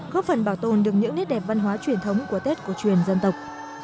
góp phần bảo tồn được những nét đẹp văn hóa truyền thống của tết cổ truyền dân tộc